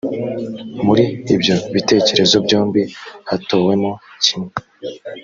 muri ibyo bitekerezo byombi hatowemo kimwe.